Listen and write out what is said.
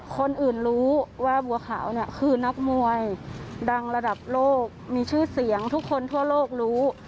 หรือว่าบัวขาวเนี่ยคือนักมวยดังระดับโลกมีชื่อเสียงทุกคนทั่วโลกรู้